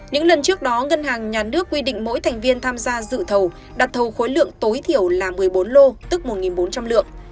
những lần trước đó ngân hàng nhà nước quy định mỗi thành viên tham gia dự thầu đặt thầu khối lượng tối thiểu là một mươi bốn lô tức một bốn trăm linh lượng